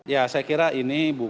ya saya kira ini